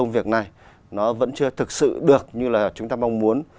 việc này nó vẫn chưa thực sự được như là chúng ta mong muốn